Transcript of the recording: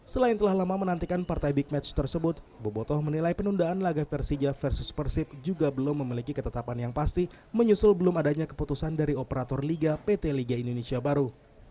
selain telah lama menantikan partai big match tersebut bobotoh menilai penundaan laga persija versus persib juga belum memiliki ketetapan yang pasti menyusul belum adanya keputusan dari operator liga pt liga indonesia baru